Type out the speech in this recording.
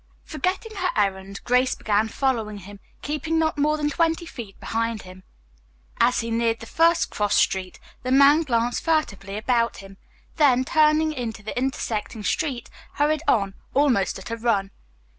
Forgetting her errand, Grace began following him, keeping not more than twenty feet behind him. As he neared the first cross street the man glanced furtively about him, then, turning into the intersecting street, hurried on, almost at a run.